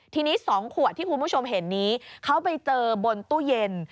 ทีนี้๒ขวดที่คุณผู้ชมเห็นนี้เขาไปเจอบนตู้เย็น